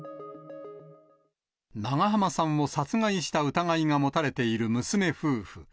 長濱さんを殺害した疑いが持たれている娘夫婦。